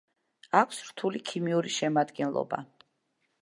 აქვს რთული ქიმიური შემადგენლობა.